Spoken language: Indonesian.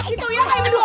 gitu ya pak ibu ibu